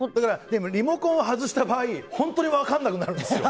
リモコンを外した場合本当に分からなくなるんですよ